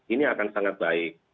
ini akan sangat baik